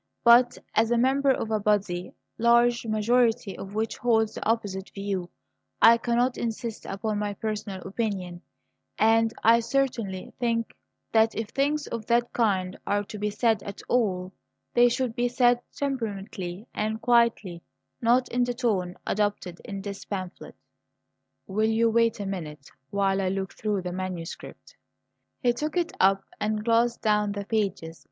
But as a member of a body the large majority of which holds the opposite view, I cannot insist upon my personal opinion; and I certainly think that if things of that kind are to be said at all, they should be said temperately and quietly; not in the tone adopted in this pamphlet." "Will you wait a minute while I look through the manuscript?" He took it up and glanced down the pages.